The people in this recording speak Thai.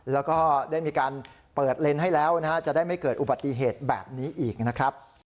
แล้วก็ได้มีการเปิดเลนส์ให้แล้วนะฮะจะได้ไม่เกิดอุบัติเหตุแบบนี้อีกนะครับ